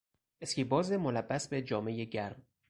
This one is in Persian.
اسکیباز ملبس به جامهی گرم